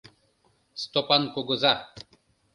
Стопан кугыза.